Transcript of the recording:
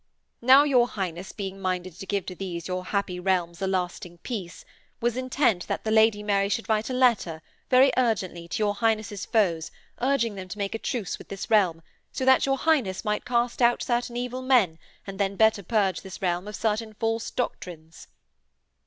Now, your Highness being minded to give to these your happy realms a lasting peace, was intent that the Lady Mary should write a letter, very urgently, to your Highness' foes urging them to make a truce with this realm, so that your Highness might cast out certain evil men and then better purge this realm of certain false doctrines.'